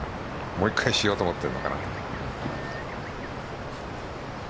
もう１回しようと思っているのかな。